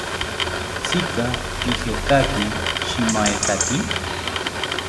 ¿Tzika ijekaki shimaentaki?